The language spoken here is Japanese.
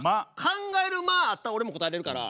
考える間あったら俺も答えれるから。